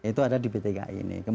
itu ada di pt kai ini